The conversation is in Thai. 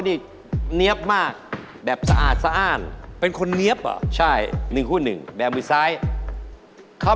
ดีดาของเพื่อน